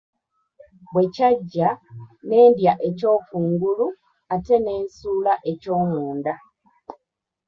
Bwe kyaggya, ne ndya eky’okungulu ate ne nsuula eky’omunda.